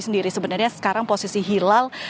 sendiri sebenarnya sekarang posisi hilal